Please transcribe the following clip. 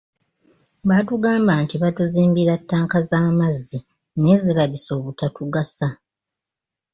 Baatugamba nti batuzimbira ttanka z'amazzi naye zirabise obutatugasa.